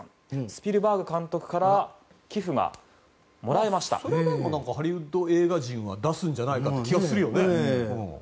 スピルバーグ監督からそれでもハリウッド映画人は出すんじゃないかという気はするよね。